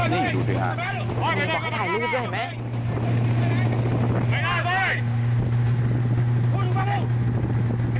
นี่ดูสิอย่างนี้